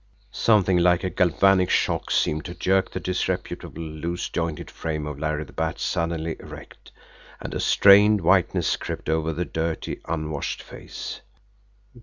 Something like a galvanic shock seemed to jerk the disreputable, loose jointed frame of Larry the Bat suddenly erect and a strained whiteness crept over the dirty, unwashed face.